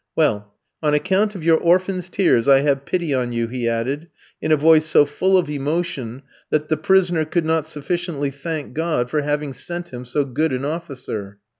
"Well, on account of your orphan's tears I have pity on you," he added, in a voice so full of emotion, that the prisoner could not sufficiently thank God for having sent him so good an officer.